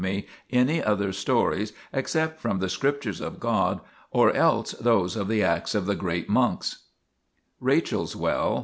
40 THE PILGRIMAGE OF ETHERIA any other stories except from the Scriptures of God or else those of the acts of the greater monks. RACHEL'S WELL.